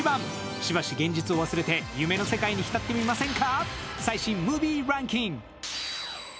しばし現実を忘れて夢の世界に浸ってみませんか？